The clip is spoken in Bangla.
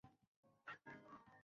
বড্ড শক্তিশালী ওরা।